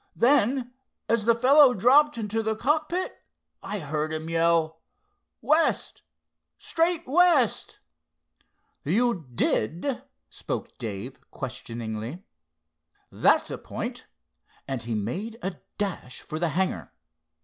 Then, as the fellow dropped into the cockpit, I heard him yell, 'West—straight west.'" "You did?" spoke Dave, questioningly. "That's a point," and he made a dash for the hangar.